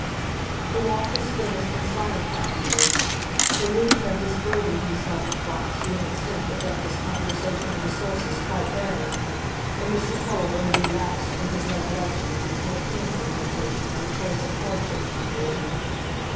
The walk was finished in silence after this, for Luke had disburthened himself of thoughts to an extent that left his conversational resources quite barren, and Mr Tulliver had relapsed from his recollections into a painful meditation on the choice of hardships before him.